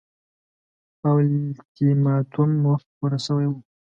اولتیماتوم وخت پوره شوی وو.